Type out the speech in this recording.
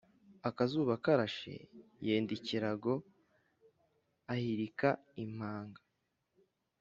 akazuba karashe, yenda ikirago ahirika impanga